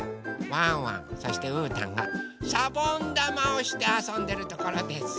ワンワンそしてうーたんがしゃぼんだまをしてあそんでるところです。